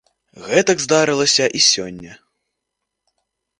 Гэтак здарылася і сёння.